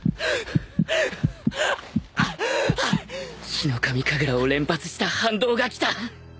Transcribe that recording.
ヒノカミ神楽を連発した反動が来た！